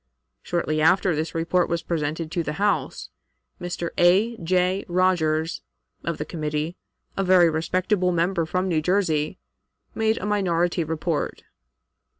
Shortly after this report was presented to the House, Mr. A. J. Rogers, of the committee, a very respectable member from New Jersey, made a minority report.